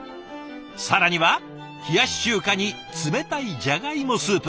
更には冷やし中華に冷たいじゃがいもスープ。